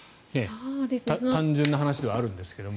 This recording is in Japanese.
単純な話ではあるんですけど。